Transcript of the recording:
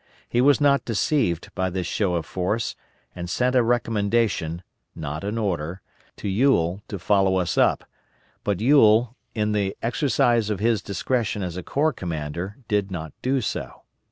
He was not deceived by this show of force, and sent a recommendation not an order to Ewell to follow us up; but Ewell, in the exercise of his discretion as a corps commander, did not do so.